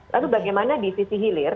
lalu bagaimana di sisi hilir